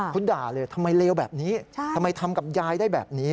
เขาด่าเลยทำไมเลวแบบนี้ทำไมทำกับยายได้แบบนี้